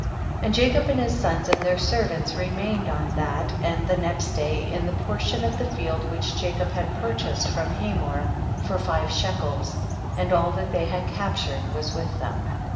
19. And Jacob and his sons and their servants remained on that and the next day in tlie portion of llie field which Jacob had purchased from Hamor for five shekels, and all that ihey had captured was with them.